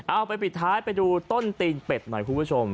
เอาไปปิดท้ายไปดูต้นตีนเป็ดหน่อยคุณผู้ชม